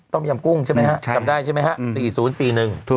ต้มยำกุ้งใช่ไหมฮะจำได้ใช่ไหมฮะ๔๐ปี๑